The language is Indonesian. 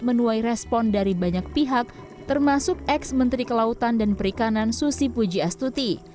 menuai respon dari banyak pihak termasuk ex menteri kelautan dan perikanan susi pujiastuti